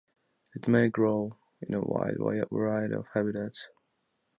It may grow in a wide variety of habitats.